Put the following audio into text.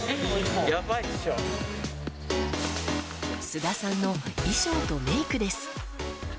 菅田さんの衣装とメイクです。